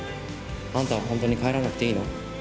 あんたは本当に帰らなくていいの？